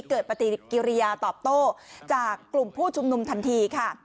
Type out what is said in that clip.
เกิดปฏิกิริยาตอบโต้จากกลุ่มผู้ชุมนุมทันทีค่ะ